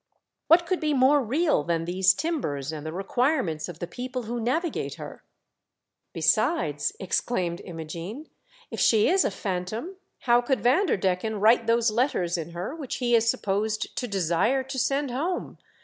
What could be more real than these timbers and the requirements of the people who navigate her ?" "Besides," exclaimed Imogene, "if she is a Phantom, how could Vanderdecken write those letters in her which he is supposed to desire to send home